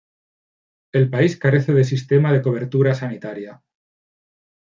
El país carece de sistema de cobertura sanitaria.